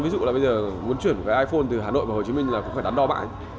ví dụ là bây giờ muốn chuyển cái iphone từ hà nội vào hồ chí minh là cũng phải đắn đo mãi